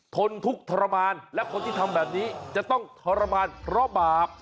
นทุกข์ทรมานและคนที่ทำแบบนี้จะต้องทรมานเพราะบาป